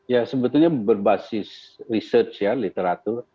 ya sebetulnya berbasis research ya literatur